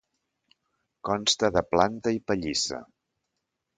Consta de planta i pallissa.